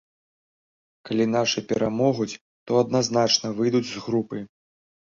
Калі нашы перамогуць, то адназначна выйдуць з групы.